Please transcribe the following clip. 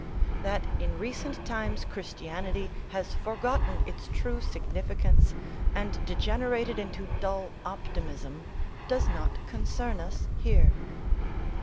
That in recent times Christianity has forgotten its true significance, and degenerated into dull optimism, does not concern us here.